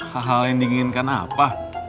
hal hal yang diinginkan apa